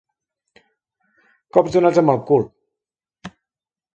Cops donats amb el cul.